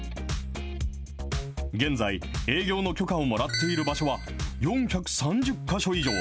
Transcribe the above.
現在、営業の許可をもらっている場所は４３０か所以上。